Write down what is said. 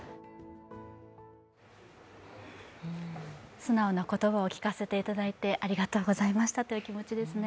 素直な言葉を聞かせていただいて、ありがとうございましたという気持ちですね。